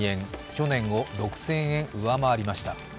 去年を６０００円上回りました。